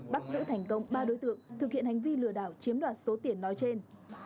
bắt giữ thành công ba đối tượng thực hiện hành vi lừa đảo chiếm đoạt số tiền nói trên